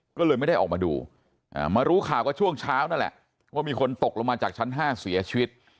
ก็เลยไม่ได้ออกมาดูมารู้ข่าวก็ช่วงเช้านั่นแหละว่ามีคนตกลงมาจากชั้น๕เสียชีวิต